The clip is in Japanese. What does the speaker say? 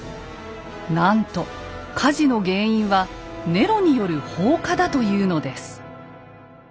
なんと火事の原因はネロによる放火だというのです。